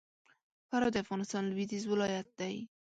فراه د افغانستان لوېدیځ ولایت دی